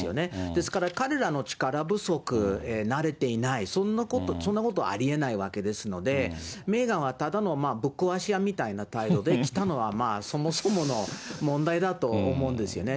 ですから彼らの力不足、慣れていない、そんなことありえないわけですので、メーガンは、ただのぶっ壊し屋みたいな態度できたのは、そもそもの問題だと思うんですよね。